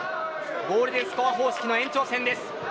ゴールデンスコア方式の延長戦です。